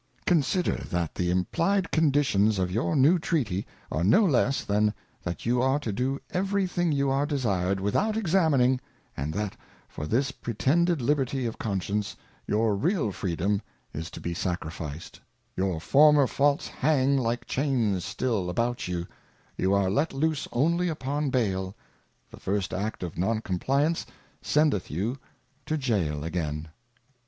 Consider, that the implyed Conditions of your new Treaty are no less, than that you are to do every thing you are desired, without examining, and that foj:_this_^retended Liberty of Consrdence, YourjgaLFr eedom is to be sa crificed : Your former Faults hang like Chains still about you, you are let loose only upon Bayl; the first Act of Non compliance, sendeth you to Jayl again.